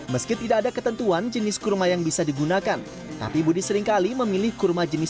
meski tidak ada ketentuan jenis kurma yang bisa digunakan tapi budi seringkali memilih kurma jenis